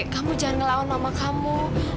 kamu jangan ngelawan mama kamu